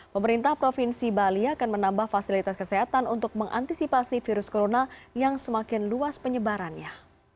pemerintah provinsi bali akan menambah fasilitas kesehatan untuk mengantisipasi virus corona yang semakin luas penyebarannya